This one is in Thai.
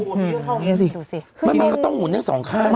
โอ้โฮดูสิมันก็ต้องหมุนให้๒ข้าง